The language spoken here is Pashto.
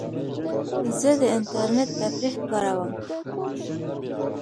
زه د انټرنیټ تفریح کاروم.